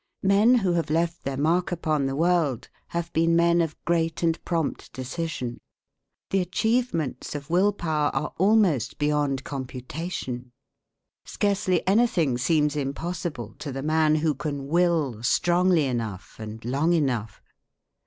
Men who have left their mark upon the world have been men of great and prompt decision. The achievements of will power are almost beyond computation. Scarcely anything seems impossible to the man who can will strongly enough and long enough.